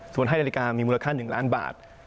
ส่วนให้นาฬิกามีมูลค่า๑ล้านบาท